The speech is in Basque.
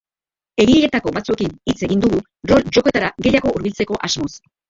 Egileetako batzuekin hitz egin dugu, rol jokoetara gehiago hurbiltzeko asmoz.